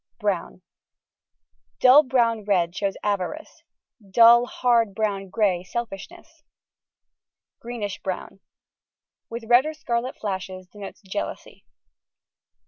Brown : dull brown red shows avarice ; dull, hard brown grey selfishness; Greenish Brown: with red or scarlet flashes, denotes jealousy.